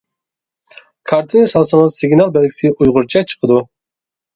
كارتىنى سالسىڭىز سىگنال بەلگىسى ئۇيغۇرچە چىقىدۇ.